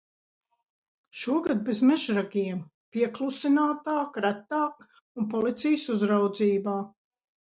Šogad bez mežragiem, pieklusinātāk, retāk un policijas uzraudzībā.